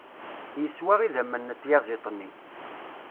Yeswa idammen n tyaẓiḍt-nni.